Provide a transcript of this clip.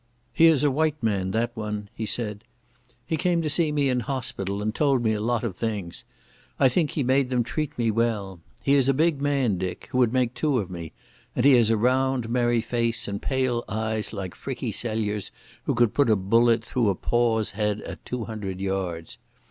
"He is a white man, that one," he said. "He came to see me in hospital and told me a lot of things. I think he made them treat me well. He is a big man, Dick, who would make two of me, and he has a round, merry face and pale eyes like Frickie Celliers who could put a bullet through a pauw's head at two hundred yards.